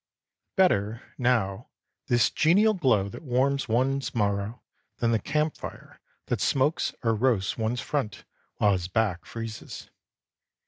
Better, now, this genial glow that warms one's marrow than the camp fire that smokes or roasts one's front while his back freezes.